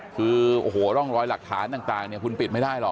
คือโอ้โหร่องรอยหลักฐานต่างคุณปิดไม่ได้หรอก